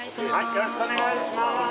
・よろしくお願いします